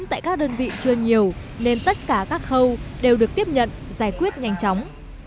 tại các đơn vị chưa nhiều nên tất cả các khâu đều được tiếp nhận giải quyết nhanh chóng